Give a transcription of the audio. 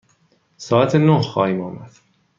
ساعت نه خواهیم آمد.